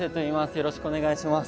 よろしくお願いします。